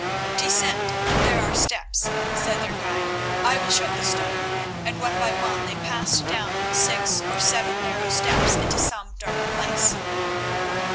"Descend, there are steps," said their guide. "I will shut the stone," and one by one they passed down six or seven narrow steps into some darksome place.